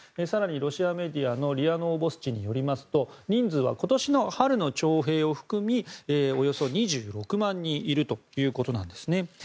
更にロシアメディアのＲＩＡノーボスチによりますと人数は今年の春の徴兵を含みおよそ２６万人いるということです。